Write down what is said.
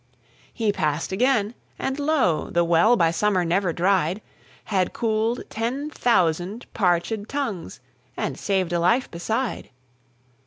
He passed again; and lo! the well, By summer never dried, Had cooled ten thousand parchéd tongues, And saved a life beside.